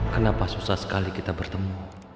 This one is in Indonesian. kenapa susah sekali kita bertemu